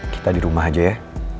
kita di rumah aja ya